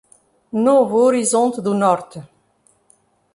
Novo Horizonte do Norte